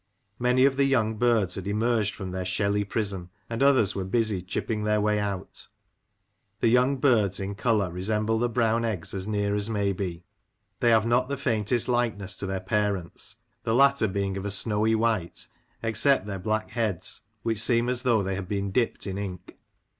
Many of the young birds had emerged from their shelly prison, and others were busy chipping their way out The young birds in colour re semble the brown eggs as near as may be ; they have not the faintest likeness to their parents, the latter being of a snowy white, except their black heads, which seem as though they had been dipped in ink.